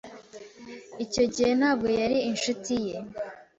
Icyo gihe ntabwo yari inshuti ye.